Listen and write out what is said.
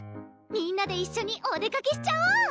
みんなで一緒にお出かけしちゃおう！